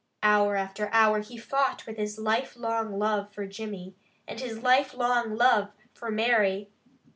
Hour after hour he fought with his lifelong love for Jimmy and his lifelong love for Mary.